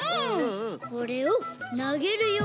これをなげるよ。